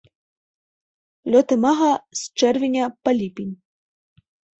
Лёт імага з чэрвеня па ліпень.